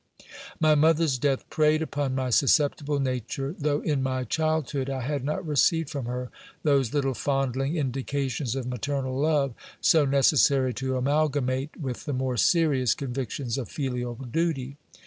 My mother's death preyed upon my susceptible nature, though in my child iood I had not received from her those little fondling indications of maternal ~.ove, so necessary to amalgamate with the more serious convictions of filial duty.